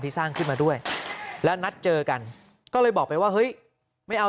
สร้างขึ้นมาด้วยแล้วนัดเจอกันก็เลยบอกไปว่าเฮ้ยไม่เอา